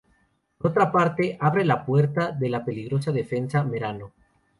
Por otra parte, abre la puerta de la peligrosa defensa Merano.